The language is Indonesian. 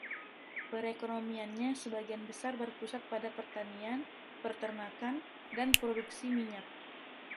Perekonomiannya sebagian besar berpusat pada pertanian, peternakan, dan produksi minyak.